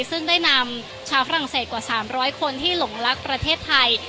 ซึ่งได้นำชาวฝรั่งเศสกว่า๓๐๐คนที่หลงรักประเทศไทย